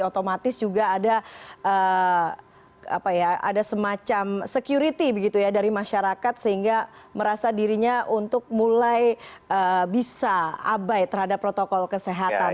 otomatis juga ada semacam security begitu ya dari masyarakat sehingga merasa dirinya untuk mulai bisa abai terhadap protokol kesehatan